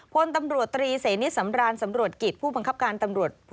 พลตำรวจตรีเสนิทสำรานสำรวจกิจผู้บังคับการตำรวจ